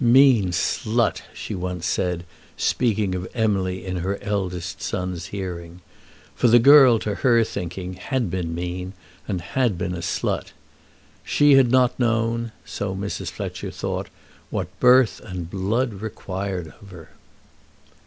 "Mean slut!" she once said, speaking of Emily in her eldest son's hearing. For the girl, to her thinking, had been mean and had been a slut. She had not known, so Mrs. Fletcher thought, what birth and blood required of her.